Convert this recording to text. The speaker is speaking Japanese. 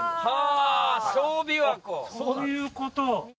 そういうこと。